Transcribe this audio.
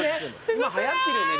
今はやってるよね